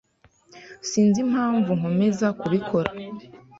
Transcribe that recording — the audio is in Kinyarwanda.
Sinzi impamvu nkomeza kubikora.